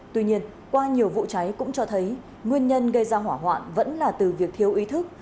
tuy nhiên qua nhiều vụ cháy cũng cho thấy nguyên nhân gây ra hỏa hoạn vẫn là từ việc thiếu ý thức